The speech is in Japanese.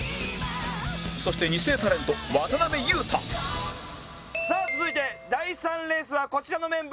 そして２世タレント渡辺裕太さあ続いて第３レースはこちらのメンバー。